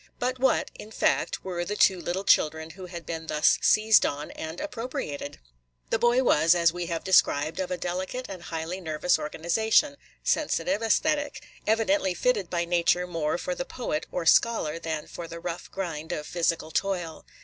But what, in fact, were the two little children who had been thus seized on and appropriated? The boy was, as we have described, of a delicate and highly nervous organization, – sensitive, æsthetic, – evidently fitted by nature more for the poet or scholar than for the rough grind of physical toil.